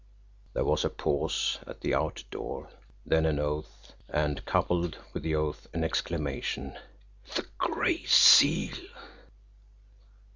There was a pause at the outer door then an oath and coupled with the oath an exclamation: "The Gray Seal!"